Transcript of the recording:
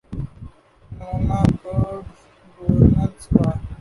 نمونہ good governance کا۔